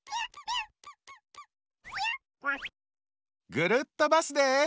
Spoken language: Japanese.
ぐるっとバスです！